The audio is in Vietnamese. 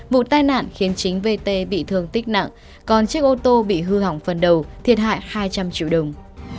vụ tai nạn khiến chính vt bị thương tích nặng còn chiếc ô tô bị hư hỏng phần đầu thiệt hại hai trăm linh triệu đồng